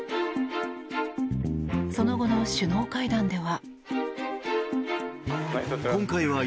その後の首脳会談では。